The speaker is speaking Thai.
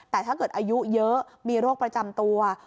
แต่ถ้าเกิดอายุเยอะมีโรคประจำตัว